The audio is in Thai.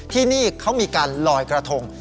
ที่นี่เขามีการลอยกระทง